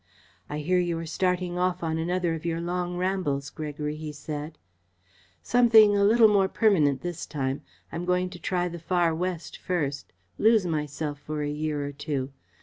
"I hear you are starting off on another of your long rambles, Gregory," he said. "Something a little more permanent this time. I am going to try the Far West first lose myself for a year or two.